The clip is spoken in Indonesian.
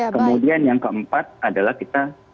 kemudian yang keempat adalah kita